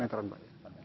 empat meteran pak ya